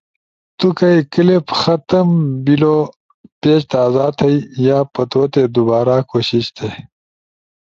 تو کائی کلپ ختم بیلو- پیج تازا تھئی، یا پتوتے دوبارا کوشش تھئی۔